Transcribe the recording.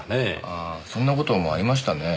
ああそんな事もありましたね。